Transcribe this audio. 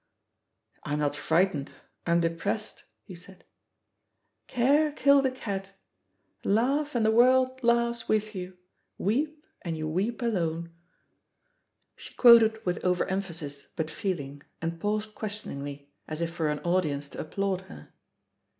I'm not frightened; I'm depressed," he said. Care killed a cat. 104 THE POSITION OP PEGGY HAKPEB 'Langh^ and the world laughs with yon; Weep, and you weep alone T" She quoted with over emphasis, but feeling, and paused questioningly, as if for an audience to applaud her.